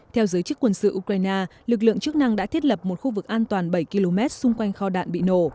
theo giới chức quân sự ukraine lực lượng chức năng đã thiết lập một khu vực an toàn bảy km xung quanh kho đạn bị nổ